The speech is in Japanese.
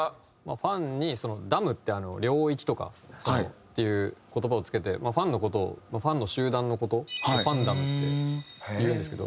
「ＦＡＮ」に「ＤＯＭ」って「領域」とかっていう言葉を付けてファンの事をファンの集団の事をファンダムって言うんですけど。